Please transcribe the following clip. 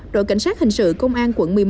đội cảnh sát hình sự công an quận một mươi một